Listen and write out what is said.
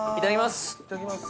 いただきます！